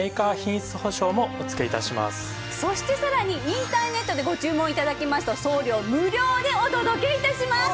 そしてさらにインターネットでご注文頂きますと送料無料でお届け致します。